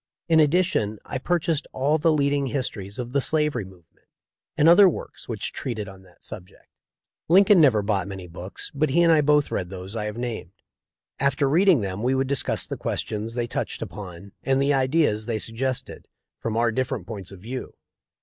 In addition I pur chased all the leading histories of the slavery move ment, and other works which treated on that subject. Lincoln himself never bought many books, but he and I both read those I have named. After read ing them we would discuss the questions they touched upon and the ideas they suggested, from our different points of view.